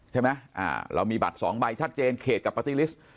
ใช่ไหมเรามีบัตรสองใบชัดเจนเขตกับปาร์ตี้ลิสต์